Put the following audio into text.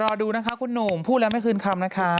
รอดูนะคะคุณหนุ่มพูดแล้วไม่คืนคำนะคะ